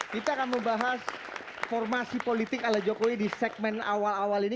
kita akan membahas formasi politik ala jokowi di segmen awal awal ini